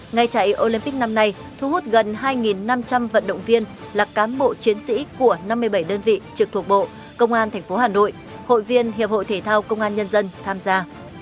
ngày chạy olympic năm nay thu hút gần hai năm trăm linh vận động viên là cán bộ chiến sĩ của năm mươi bảy đơn vị trực thuộc bộ công an tp hà nội hội viên hiệp hội thể thao công an nhân dân tham gia